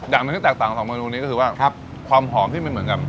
ดังนั้นที่แตกต่างของสองเมนูนี้ก็คือว่าครับความหอมที่ไม่เหมือนกัน